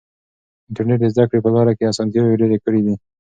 انټرنیټ د زده کړې په لاره کې اسانتیاوې ډېرې کړې دي.